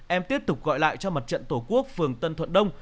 em tiếp tục gọi lại cho mặt trận tổ quốc phường tân thuận đông